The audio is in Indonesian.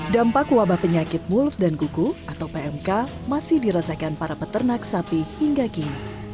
dampak wabah penyakit mulut dan kuku atau pmk masih dirasakan para peternak sapi hingga kini